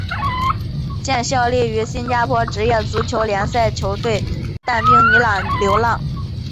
现效力于新加坡职业足球联赛球队淡滨尼流浪。